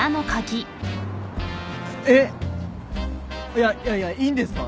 いやいやいやいいんですか？